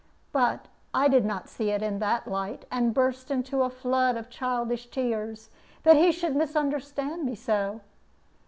But I did not see it in that light, and burst into a flood of childish tears, that he should misunderstand me so.